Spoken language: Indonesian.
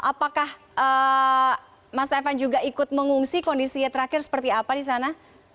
apakah mas evan juga ikut mengungsi kondisinya terakhir seperti apa di sana